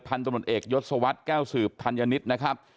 ตำรวจเอกยศวรรษแก้วสืบธัญนิตนะครับ